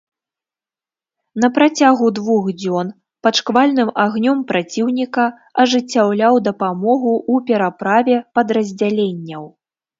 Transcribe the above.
На працягу двух дзён пад шквальным агнём праціўніка ажыццяўляў дапамогу ў пераправе падраздзяленняў.